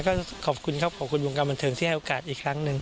ก็ขอบคุณครับขอบคุณวงการบันเทิงที่ให้โอกาสอีกครั้งหนึ่ง